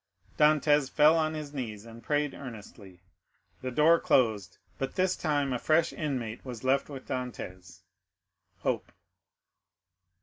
Dantès fell on his knees, and prayed earnestly. The door closed; but this time a fresh inmate was left with Dantès—Hope.